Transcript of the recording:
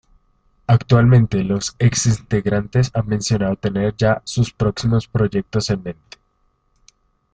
Actualmente los ex-integrantes han mencionado tener ya sus próximos proyectos en mente.